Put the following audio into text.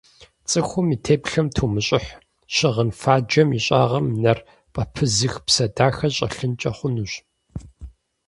Цӏыхум и теплъэм тумыщӏыхь: щыгъын фаджэм и щӏагъым нэр пӏэпызых псэ дахэ щӏэлъынкӏэ хъунущ.